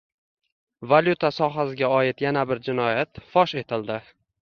Valyuta sohasiga oid yana bir jinoyat fosh etildi